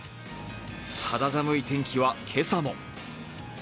肌寒い天気は今朝も。